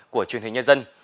của truyền hình nhân dân